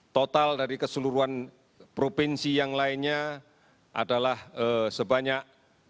total dari keseluruhan provinsi yang lainnya adalah sebanyak